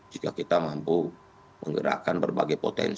jika kita mampu menggerakkan berbagai potensi